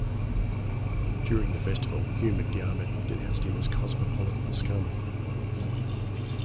During the festival, Hugh MacDiarmid denounced him as cosmopolitan scum.